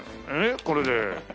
これで。